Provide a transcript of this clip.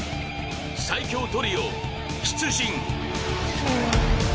最強トリオ、出陣。